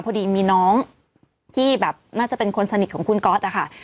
พอดีมีน้องที่แบบน่าจะเป็นคนสนิทของคุณก๊อตนะคะ